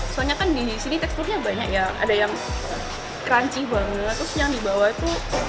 soalnya kan disini teksturnya banyak ya ada yang crunchy banget terus yang di bawah itu